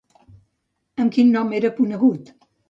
Amb quin nom era conegut?